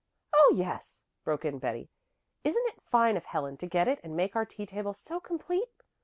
"Oh yes," broke in Betty. "Isn't it fine of Helen to get it and make our tea table so complete?"